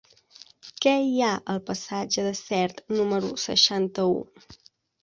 Què hi ha al passatge de Sert número seixanta-u?